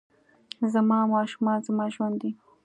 زما ماشومان زما ژوند دي